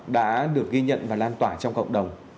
đã được ghi nhận và lan tỏa trong cộng đồng